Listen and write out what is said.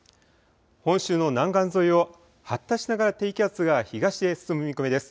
本州の南岸沿いを発達しながら低気圧が東へ進む見込みです。